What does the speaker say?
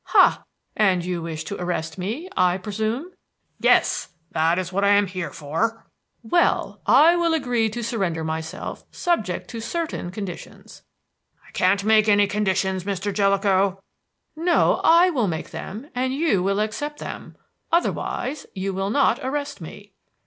"Ha! and you wish to arrest me, I presume?" "Yes. That is what I am here for." "Well, I will agree to surrender myself subject to certain conditions." "I can't make any conditions, Mr. Jellicoe." "No, I will make them, and you will accept them. Otherwise you will not arrest me."